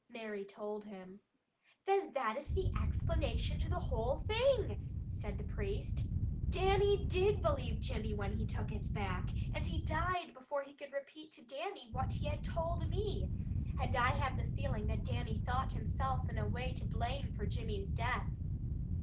Mary told him. "Then that is the explanation to the whole thing," said the priest. "Dannie did believe Jimmy when he took it back, and he died before he could repeat to Dannie what he had told me. And I have had the feeling that Dannie thought himself in a way to blame for Jimmy's death."